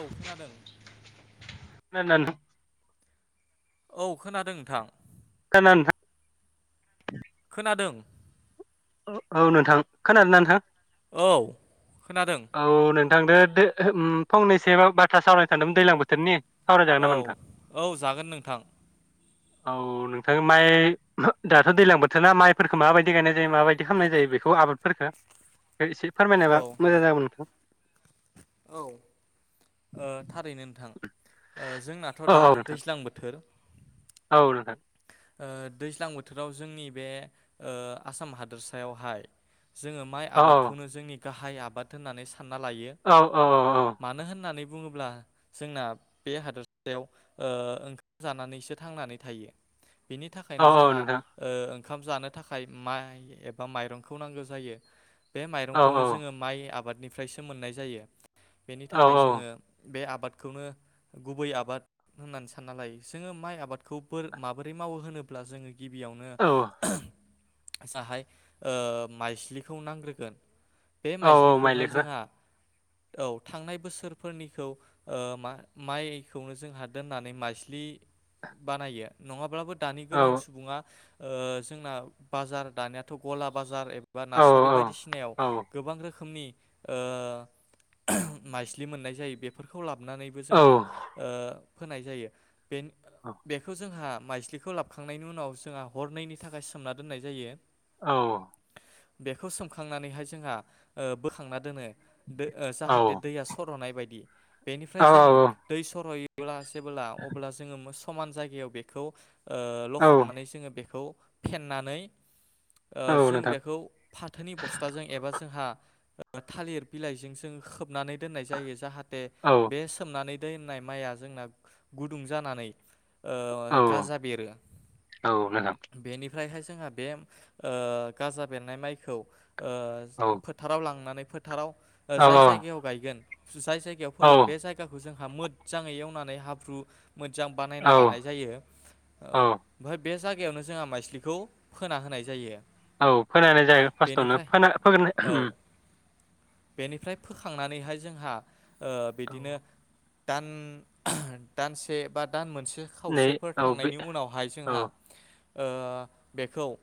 औ खोनादों [unintelligible] औ खोनादों नोंथां। खोना नोंथां। खोनादों। ओ औ नोंथां खोनादोना नोंथां? औ खोनादों। थांदो दो ओम फंनैसो बाथ्रा सावरायनो सानदोंमोन दैलां बोथोरनि। सावरायजागोन औ नामा नोंथां औ जागोन नोंथां। औ नोंथां माइ दाथ' दैज्लां बोथोरा माइफोरखौ माबायदि गायनाय जायो माबाय दि खामनाय जायो बेखौ आबादफोरफोरखो? औ नंगौ ओ थारैनो नोंथां ओ जोंनाथ' औ दा औ नोंथां दैज्लां बोथोर औ नोंथां। ओ दैज्लां बोथोराव जोंनि बे ओ आसाम हादोरसायावहाय जोङो माइ औ आबादखौनो जोंनि गाहाय आबाद होननानै साना लायो औ औ मानो होननानै बुङोब्ला जोंना बे हादरसायाव ओ ओंखाम जानानैसो थांनानै थायो। बिनि थाखायनो औ औ जोंहा नोंथां ओ ओंखाम जानो थाखाय माइ एबा माइरंखौ नांगौ जायो। बे औ माइरंखौनो जोङो माइ आबाद निफ्रायसो मोननाय जायो। बेनि औ थाखाय जोङो बे आबाद खौनो गुबै आबाद होननानै सानना लायो जोङो माइ आबादखौ माबोरै मावो होनोब्ला जोङो गिबियावनो औ जाहाय ओ माइस्लिखौ नांग्रोगोन। बे औ औ माइज्लिखौहाय माइलिखौ जोंहा औ थांनाय बोसोरफोरनिखौ ओ मा माइखौनो जोंहा दोननानै माइज्लि बानायो। नङाब्लाबो। दानि औ गोबां सुबुङा। ओ जोंना बाजार दानियाथ' गला बाजार बा औ नार्सारि बायदिसिनायाव औ औ गोबां रोखोम खोमनि ओ माइज्लि मोननाय जायो बेफोरखौ ला नानैबो औ जोंहा ओ होनाय जायो। बे बेखौ जोंहा माइस्लिखौ लाबखांनायनि उनाव जोंहा हरनैनि थाखाय सोमना दोननाय जायो। औ। बेखौ सोमखांनानैहाय जोंहा ओ बोखांना दोनो। दों जाहाथे दैया सर'नाय बायदि बेनिफ्राय जों औ दै सर'यो ब्ला जेबोब्ला अब्ला जोङो समान जायगायाव। बेखौ। ओ औ लखबनानै जोङो बेखौ फेननानै औ ओ जों नोंथां बेखौ फाथोनि बस्थाजों एबा जोंहा थालिर बिलाइजों जों खोबनानै दोननाय जायो जाहाथ थे औ बे सोमनानै दोननाय माइआ जोंना गुदुं जानानै ओ ओ औ गाजा बेरो औ नोंथां बेनि फ्रायहाय जोंहा बे ओ गाजा बेरनाय माइखौ ओ औ फोथाराव लांनानै फोथाराव औ जाय औ जायगायाव गायगोन जाय जायगायाव फोगोन औ बे जायगाखौ जों हा मोजाङै एवनानै हाब्रु मोजां बानायना औ लानाय जायो। औ ओमफाय बे जायगायावनो जोंहा माइस्लिखौ फोना होनाय जायो। औ फोनायनाय जायो फार्स्टआवनो बेनिफ्राय फोनाय फोगोरनाय औ उम। बेनिफ्राय फोखांनानैहाय जोंहा ओ औ बिदिनो दान दानसे बा दान मोनसे ए नै खावसे औ बे थांनायनि उनावहाय औ जोंहा ओ बेखौ ओ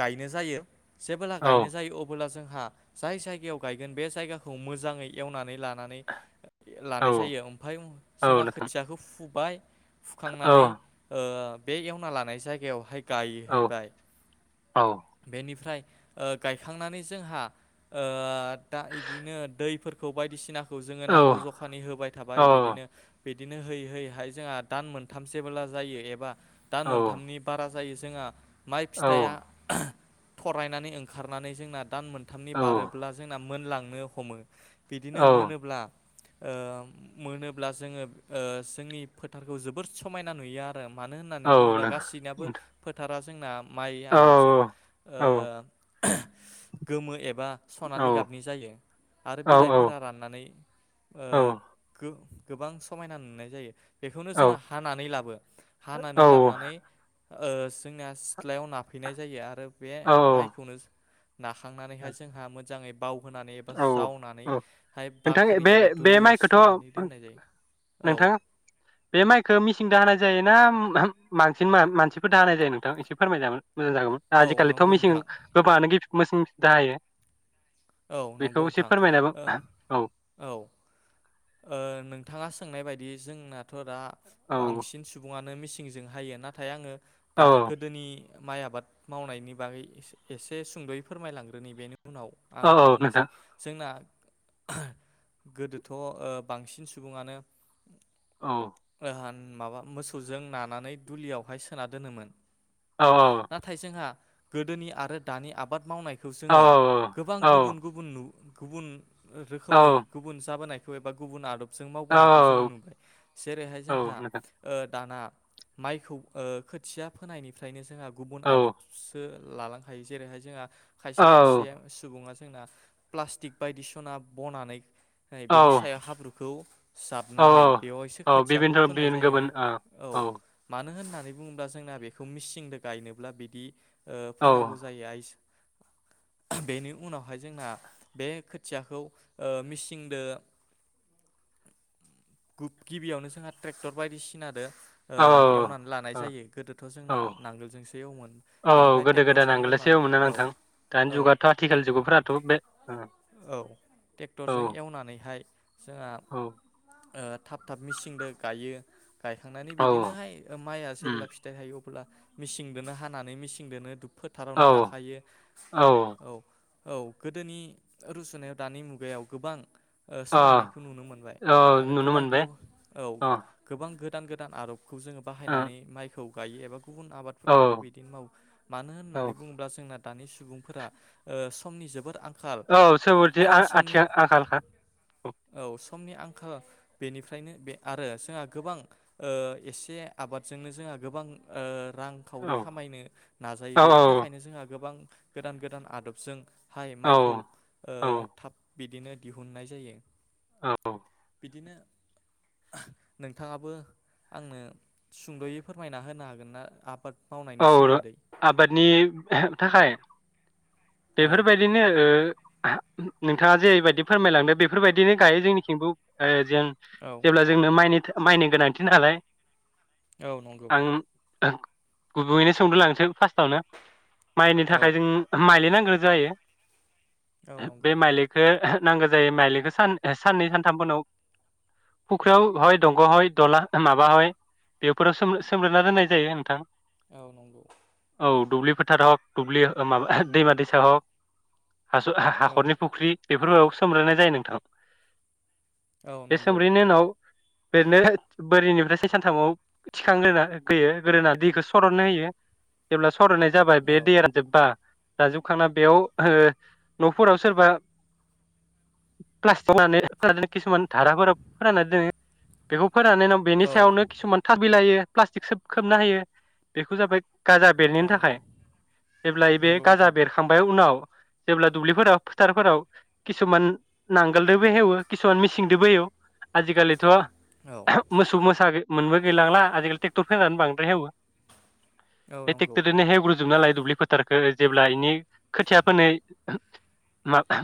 गायनो जायो। जेबोला गायनो औ जायो अबोला जों हा जाय जायगायाव गायगोन बे जायगाखौ मोजाङै एवनानै लानानै औ लानाय जायो ओमफाय औ जोंना नोंथां खोथियाखौ फु बाय। औ खांनानै ओ बे एवना लानाय जायगायावहाय औ गायहैबाय औ बेनिफ्राय ओ गायखांनानै जोंहा ओ दा बिदिनो दैफोरखौ बायदिसिना खौ जोङो नांगौ जखानि होबाय औ थाबाय बिदिनो बिदिनो होयै होयैहाय जोंहा दान मोन थाम जेबोला जायो एबा दान औ मोनथामनि बारा जायो जोंहा। माइ औ फिथाइया थरायनानै ओंखारनानै जोंना। दान मोनथामनि औ बारोब्ला जोंना। मोनलांनो हमो। बिदिनो नों मोनोब्ला। ओ मोनोब्ला जोङो ओ जोंनि फोथारखौ जोब बोर समायना नुयो आ रो मानो औ होननानै बुङोब्ला गासैनिाबो फोथा रा जों ना माइ आबादजों ओ औ गोमो ए बा औ सनालिगाबनि जायो आरो औ बिलाइफोरा राननानै ओ गो गोबां समायना नुनाय जायो। बेखौनो जोंहा नानै लाबो हानानै लाबोनानै ओ जोंनिया सिथ्लायाव नाफैनाय जायो आरो बे औ माइखौनो नाखांनानैहाय जोंहा मोनथाय जाङै बावहोनानै एबा औ जावनानैहाय नोंथां बाख्रि बे एबा बे दुलियाव माइखौथ' सोनानै दोननाय जायो औ। सिंदो हानाय जायो ना मानसि मानसिफोरदो हानाय जायो नोंथां एसे फोरमायजागोन? मोजां जागौमोन औ आजिखालिथ' नंगौ मेसिं नोंथां गोबाङानो गि मिसिं दा हायो। औ नंगौ बेखौ एसे नोंथां फोरमायनाबो ओ औ। ओ नोंथाङा सोंनाय बायदि जोंनाथ' दा औ बांसिन सुबुङा नो मिसिंजों हायो नाथाय आङो दा औ गोदोनि माइ आबाद मावनायनि बागै एसे सुंद'यै फोरमायलांग्रोनि बेनि उनाव औ आं औ नोंथां बुंनोसै जोंना गोदोथ ओ बांसिन सुबुङानो औ [inaudible] माबा मोसौजों नानानै दुलियावहाय सोना दोनोमोन। औ नाथाय जोंहा गोदोनि आरो दानि आबाद मावनाय खौ औ जोङो गोबां औ गुबुन गुबुन नु गुबुन। रोखोमै गुबुन जाबोनाय एबा गुबुन आदब। जों औ मावबोनायखौ जोङो नुबाय जेरैहाय औ जोंहा नोंथां दाना। माइखौ खोथिया फोनायनिफ्रायनो जोंहा। गुबुन औ आदबसो। लालांखायो जेरैहाय जोंहा। खायसे औ खायसे सुबुङा। जोंना प्लास्टिक बायदिसिना बनानै। बेनि औ सायाव हाब्रुखौ औ जाबनानै बेव एसे औ खोथियाखौ बिबिनथ' फोनाय बिन जायो गुबुन औ मानो होनना। होननानै बुङोब्ला जोंना बेखौ मिसिंजों गायनोब्ला बिदि। औ फोनांगौ जायो आइस। बेनि उनावहाय जोंना बे खोथियाखौ मिसिंदो। गिबियावनो जोंहा ट्रेक्टर बायदिसिना आरो [inaudible] औ एवनानै लानाय जायो गोदोथ' औ जोंना नांगोलजोंसो एवोमोन बेनिफ्राय गोदो गोदाय ट्रेक्टरजों नांगोलजोंसो एवनानै एवोमोन ना औ नोंथां दानि औ जुगाथ' आथिखाल जुगफोराथ' बे औ औ ट्रेक्टरजों एवनानैहाय। औ जोंहा। थाब थाब मेसिंजों गायो [inaudible] गायखांनानै औ बिदिनोहाय माइआ उम जेब्ला फिथाइ थायो अब्ला। मिसिंजोंनो हानानै मिसिं दोनो दुख। [inaudible] औ फोथारावनो नाखायो औ औ। औ गोदोनि रुसुनायाव दानि मुगायाव गोबां। [unintelligible] अ सोलायनायखौ नुनो मोनबाय औ आरो नुनो गोबां मोनबाय औ अ गोबां। गोदान गोदान आर। खौ जोङो ओ, बाहायनानै माइखौ। गायो एबा गुबुन औ आबादफोरखौबो बिदिनो मावो मानो होननानै औ बुङोब्ला जोंना‌। दानि सुबुंफोरा समनि जोबोद आं। औ सोरोरदि आ आथिं आंखाालखा। [unintelligible] औ समनि आंखाल बेनिफ्रायनो बे आरो जोंहा गोबां एसे आबादजोंनो जोंहा गोबां ओ औ रांखावरि खामायनो नाजायो औ बेनि थाखायनो जोंहा गोबां गोदान गोदान आदबजों हाय औ माइखौ ओ औ थाब बिदिनो दिहुननाय जायो औ बिदिनो नोंथाङाबो आंनो सुंद'यै फोरमायना होनो हागोन ना आबाद मावनायनि औ सोमोन्दै आबादनि थाखाय औ बेफोरबायदिनो ओ नोंथाङा जेरैबायदि फोरमायलांदों बेफोरबायदिनो गायो जोंनिखिंबो जों औ जेब्ला जोंनो माइनि था- माइनि गोनांथि नालाय औ नंगौ आ गुबुयैनो सौनो लांसै फार्स्टआवनो माइनि औ थाखाय जों माइ [unintelligible] गो जायो औ नंगौ बे माइलिखो नांगौ जायो माइलिखौ सान साननै सानथामफोरनाव फुख्रियाव हय दंग' हय दला माबा हय बेफोराव स सोमग्रोना दोननाय जायो नोंथां औ नंगौ औ दुब्लि फोथार दुबलि माबा दैमा दैसा हक हा औ हाखरनि फुख्रि बेफोरावबो सोमलायनाय जायो नोंथां औ बे नंगौ सोमब्रैनि उनाव बेरनो बोरिनिफ्राय साननै सानथामाव थिखांग्रोना होयो गोरोना दैखौ स सरनो होयो जेब्ला सरायनाय जाबाय बे औ दैया जोबबा जाजोबखांना बेयाव ओ न'फोराव सोरबा प्लास्टिकनानै फोर किसुमान धाराफोर फोराननानै दोङो बेखौ फोराननायनि उनाव बेनि औ सायावनो किसुमान थास [unintelligible] लायो प्लास्टिक खोब खोबना हायो बेफोर जाबाय गाजा बेरनायनि औ थाखाय जेब्लाय बे नंगौ गाजा नोंथां बेरखांबाय उनाव जेब्ला दुब्लिफोराव फोथारफोराव किसुमान नांगोलदोबो हेवो किसुमान मिसिंदोबो एवो आजिखालिथ' औ मोसौ मोसा मोनबो गैलांला आजिखालि ट्रेक्टरफोरानो बांद्राय एवो औ बे नंगौ टेक्टरजोंनो एवग्रोजोबना लायो दुब्लि फोथारखौ जेब्ला इनि खोथिया फोनाय माबा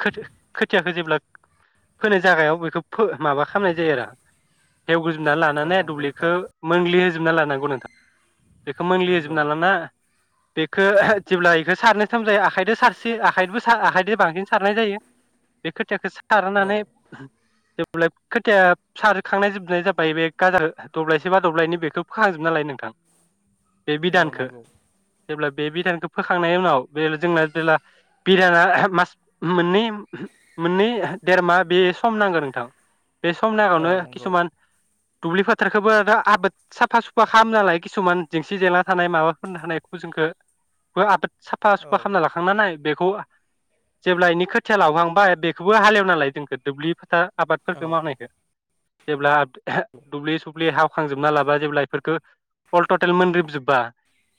खोथि खोथियाखो जेब्ला फोनाय जागायाव बेखौ माबा खालामनाय जायो आरो हेवगो जोबना औ लानानै नंगौ दुब्लिखौ नोंथां मोनग्लि [unintelligible] नंगौ नोंथां बेखौ मोनलि नंगौ होजोबना लाना बेखौ जेब्ला बेखौ सारनो थ जायो आखाइजों सारसे आखाइबो आखाइजों बांसिन सारनाय जायो बे खोथियाखो सारनानै औ [unintelligible] खोथिया सारखांनाय जोबनाय जाबाय बे गाजा दब्लायसे बा दब्लायनै बेखौ फोखांजोब नालाय नोंथां बे औ बिदानखौ नंगौ जेब्ला बे बिदानखौ फोखांनायनि उनाव बे जोंना जेब्ला बिदाना मास मोननै मोननै देर मा बे सम नांगौ नोंथां बे सम औ नागावनो नंगौ किसुमान दुब्लि फोथारखोबो आबाद साफा सुफ सुफा खालामना लायो किसुमान जेंसि जेंला थानाय माबा माबा थानाय फोरखो फोरखौबो साफा औ सुफा खालामना लाखांना जेब्ला इनि खोथिया लावहांबाय बेखौबो हालेवना लायो बेफोरखौ दुब्लि फोथार आबादफोरखौ औ मावनायदो जेब्ला [unintelligible] हावखांजोबना लाबा जेब्ला फोरखो अलटटेल मोन रिबजोब्बा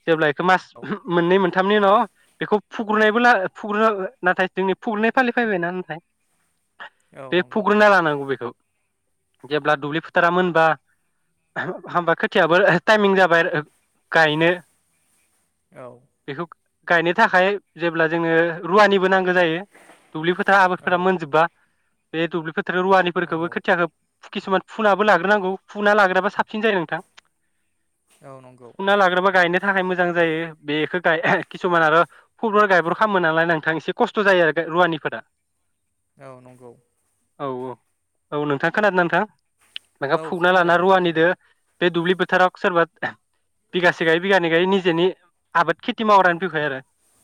जेब्ला एखौ मास औ मोननै मोन सानथामनि उनाव बेखौ फुग्रुनायबो [unintelligible] नाथाय जोंनि फुग्रुनाय फालि फैबायना नाथाय औ बे नंगौ फुग्रोनना लानांगौ बेखौ जेब्ला दुब्लि फोथारा मोनबा हामबा खो खोथियाबो टाइमिं जाबाय गायनो औ बेखौ गायनो थाखाय जेब्ला जोङो रुवानि नांगौ जायो दुब्लि फोथार औ आबादफोरा मोनजोब्बा बे दुबलि रुवानिफोरफोरखौबो नंगौ खोथियाखौ किसुमान फुनाबो लाग्रोनांगौ फुना लाग्राबा साबसिन जायो नोंथां औ नंगौ फुना लाग्रोबा गायनो थाखाय मोजां जायो बेखौ गाय किसुमान आरो फुटबल गायब्र खालामो नालाय नोंथां एसे खस्थ जायो आरो रुवानिफोरा औ नंगौ औ औ औ नोंथां खोनादों ना नोंथां औ [unintelligible] फुगना खोनादों लाना रुवानिदो बे दुब्लि बोथोराव सोरबा बिगासे गायो बिगानै गायो निजेनि आबाद खेथि मावग्रानि बिखय आरो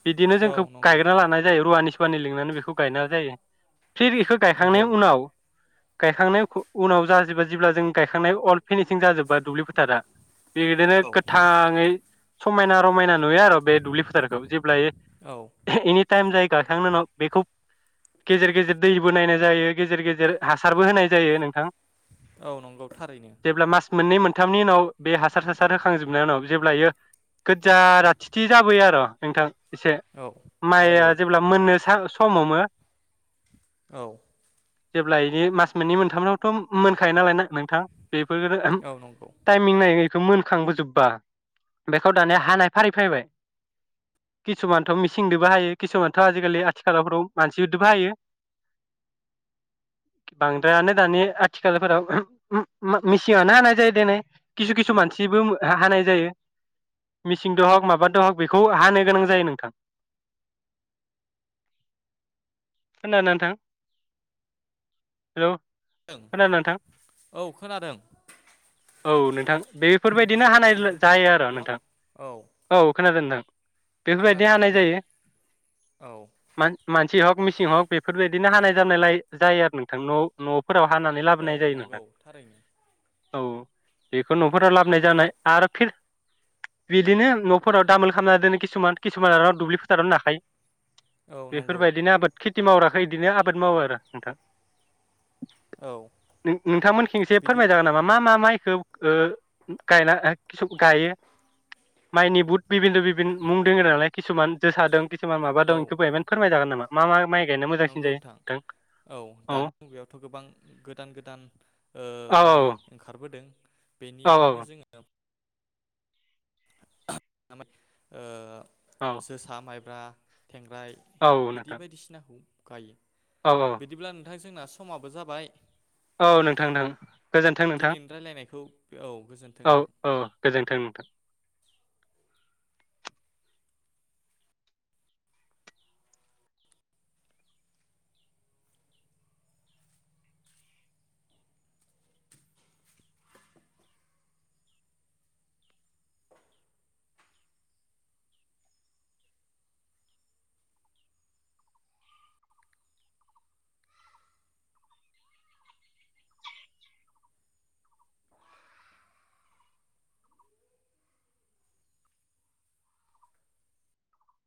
बिदिनो औ जोंखौ नंगौ गायग्रोना लानाय जायो रुवानि वानि लिंनानै बेखौ गायना जायो फिर इखौ गायखांनाय नंगौ उनाव गायखांनाय उनाव [unintelligible] जों गायखांनाय अल फिनिसिं दुब्लि फोथारा बेदिनो औ गोथांङै समायना रमायना नुयो आर बे दुब्लि फोथारखौ जेब्लायो औ एनि टाइम जाय गायखांनाय उनाव बेखौ गेजेर गेजेर दैबो नायनाय जायो गेजेर गेजेर हासारबो होनाय जायो नोंथां। औ नंगौ थारैनो। जेब्ला मास मोननै मोनथामनि उनाव बे हासार सासार होखांजोबनायनि उनाव जेब्लायो गोज्जा राथिथि जाबोयो आर नोंथां। एसे औ माइआ नंगौ जेब्ला मोननो साहोस समाव मो औ जेब्ला इनि मास मोननै मोनथामावथ मोनखायो नालाय ना नोंथां बेफोरफोरो औ नंगौ एखौ मोनखांबोजोब्बा बेखौ दानिया हानाय फारि फायबाय किसुमानथ' मिसिंदोबो हायो किसुमानथ' आजिखालि आथिलावफोराव मानसिफोरदोबो हायो बांद्रायानो दानि आथिखालफोराव मिसिंङानो हानाय जायो देनाय किसु किसु मानसिबो हानाय जायो मिसिं द हक माबादो हक बेखौ हानो गोनां जायो नोंथां खोनादोंना नोंथां हेलौ? ओं खोनादों नोंथां औ खोनादों। औ नोंथां बेफोरबायदिनो हानाय जायो आरो हेल' नोंथां औ औ। खोनादों नोंथां। बेफोरबायदि खोनादों हानाय बिदि जायो औ मानसि हक मिसिं हक बेफोरबायदि दिनो हानाय जानायलाय जायो आरो नोंथां न न फोराव हानानै औ लाबोनाय जायो नंगौ नोंथां। थारैनो औ बेखो नफोराव लाबोनाय जानाय आरो फिल बिदिनो नफोराव दामोल खामना दोनो किसुमान किसुमान दुब्लि फोथारावनो नाखायो। औ नंगौ बेफोरबायदिनो आबाद खिथि थि मावग्राखो इदिनो आबाद मावो आरो नोंथां। औ नों-नोंथां मोननिखिं एसे बिदि फोरमाय जागोन नामा? माइखौ ओ गायना ओ सुब गायो माइनि बहुथ बिभिन्द' बिभिन मुं दङ नालाय। किसुमान जोसादों खिसुमान मायबादों औ एखो बायमान फोरमाय जागोन नामा? मा मा माय नंगौ नोंथां औ दानि मुगायावथ' गोबां गोदान गोदान औ ओ माइ ओंख खारबोदों। बेनिखायनो जोङो ओ औ जोसा मायब ब्रा। थेंगाय औ बिदि नोंथां बायदिसिना गायो। औ औ बिदिब्ला नों नोंथां जोंना समाबो जाबाय औ नोंथां नोंथां गोजोन्थों नोंथां दिनैनि रायलायनायखौ औ गोजोन्थों औ नोंथां। औ गोजोन्थों। [inaudible]